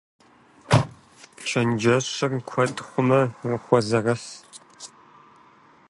Чэнджэщыр куэд хъумэ, ухозэрыхь.